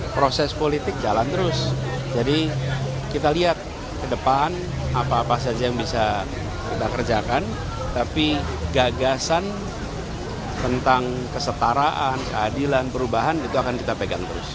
proses politik jalan terus jadi kita lihat ke depan apa apa saja yang bisa kita kerjakan tapi gagasan tentang kesetaraan keadilan perubahan itu akan kita pegang terus